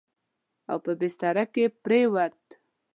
او په بستره کې پرېووت.